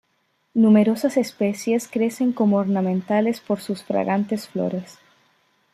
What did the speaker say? Numerosas especies crecen como ornamentales por sus fragantes flores.